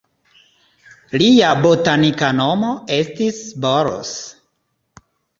Lia botanika nomo estis "Boros".